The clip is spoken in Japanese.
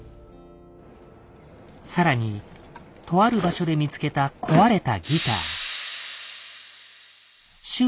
更にとある場所で見つけた「壊れたギター」。